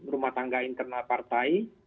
rumah tangga internal partai